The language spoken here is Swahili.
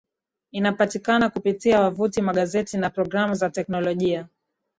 inapatikana kupitia Wavuti magazeti na programu za kiteknolojia